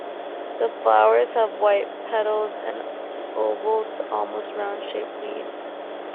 The flowers have white petals and oval to almost round shaped leaves.